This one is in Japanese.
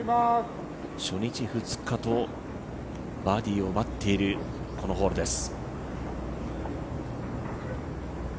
初日、２日とバーディーを奪っているこのホールです。